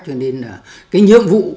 cho nên là cái nhiệm vụ